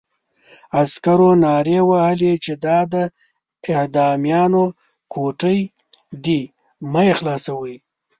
عسکرو نارې وهلې چې دا د اعدامیانو کوټې دي مه یې خلاصوئ.